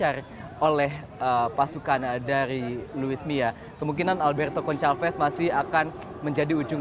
atau komposisi pemain yang menang